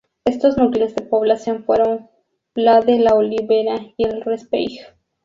Estos núcleos de población fueron Pla de la Olivera y El Raspeig.